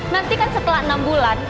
nanti kan setelah enam bulan